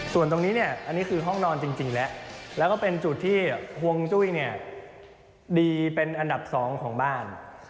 ส่วนตรงนี้เนี่ยอันนี้คือห้องนอนจริงและเป็นจุดที่หวงจุ้ยดีเป็นอันดับสองของบ้าน